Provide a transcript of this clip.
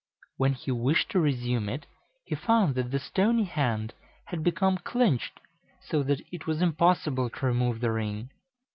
When he wished to resume it, he found that the stony hand had become clinched, so that it was impossible to remove the ring.